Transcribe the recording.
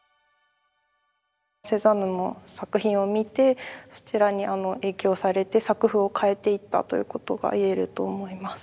セザンヌの作品を見てそちらに影響されて作風を変えていったということが言えると思います。